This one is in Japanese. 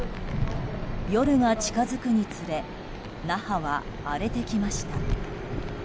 夜が近づくにつれ那覇は荒れてきました。